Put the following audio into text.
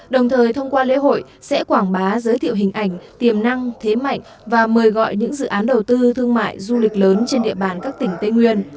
đồng thời thông qua lễ hội sẽ quảng bá giới thiệu hình ảnh tiềm năng thế mạnh và mời gọi những dự án đầu tư thương mại du lịch lớn trên địa bàn các tỉnh tây nguyên